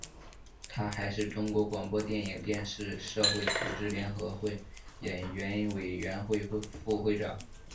他还是中国广播电影电视社会组织联合会演员委员会副会长。